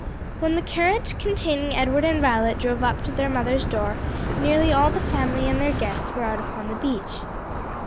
When the carriage containing Edward and Violet drove up to their mother's door, nearly all the family and their guests were out upon the beach.